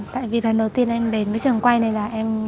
tại vì lần đầu tiên em đến cái trường quay này là em